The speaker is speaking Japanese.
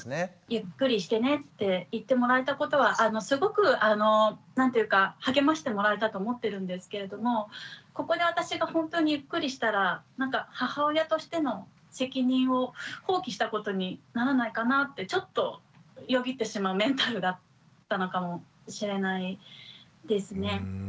ゆっくりしてねって言ってもらえたことはすごくあの何ていうか励ましてもらえたと思ってるんですけれどもここで私が本当にゆっくりしたらなんか母親としての責任を放棄したことにならないかなってちょっとよぎってしまうメンタルだったのかもしれないですね。